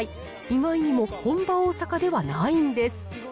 意外にも本場、大阪ではないんです。